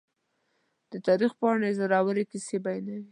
د تاریخ پاڼې د زړورو کیسې بیانوي.